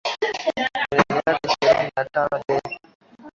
kwenye miaka ishirini na tano the